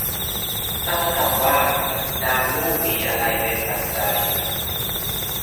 ถ้าเขาถามว่า นามรูปมีอะไรเป็นปัจจัย